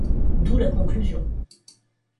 D'où la conclusion.